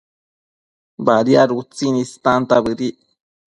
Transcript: Badiad utsin issunta bëdic